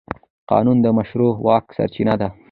قانون د مشروع واک سرچینه ده.